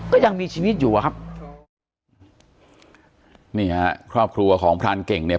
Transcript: ก็ยังมีชีวิตอยู่อะครับนี่ฮะครอบครัวของพรานเก่งเนี่ย